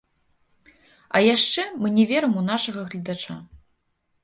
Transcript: А яшчэ мы не верым у нашага гледача.